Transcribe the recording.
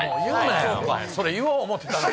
それ言おう思ってたのに。